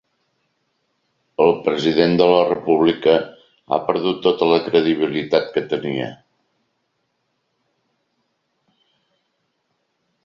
El president de la república ha perdut tota la credibilitat que tenia.